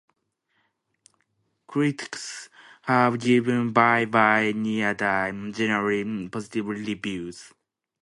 Critics have given "Bye Bye Nerdie" generally positive reviews.